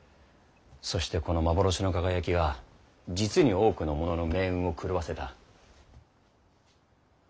そしてこの幻の輝きが実に多くの者の命運を狂わせた。